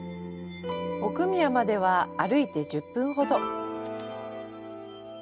奥宮までは歩いて１０分ほど。